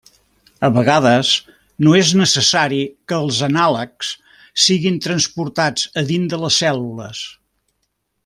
A vegades, no és necessari que els anàlegs siguin transportats a dins de les cèl·lules.